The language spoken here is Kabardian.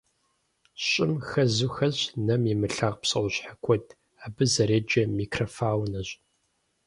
ЩӀым хэзу хэсщ нэм имылъагъу псэущхьэ куэд, абы зэреджэр микрофаунэщ.